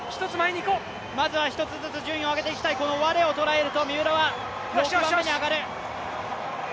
まずは１つずつ順位を上げて行きたい、このワレを捉えると三浦は６番目に上がる。